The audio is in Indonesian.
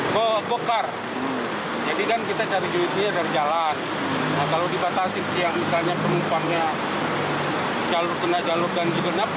ke bokar jadi dan kita cari jualan kalau dibatasi yang misalnya penumpangnya jalur jalur ganjil genap